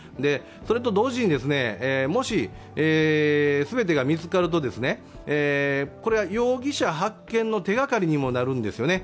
それと同時に、もし、全てが見つかると容疑者発見の手がかりにもなるんですね。